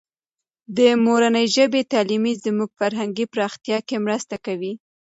د مورنۍ ژبې تعلیم زموږ فرهنګي پراختیا کې مرسته کوي.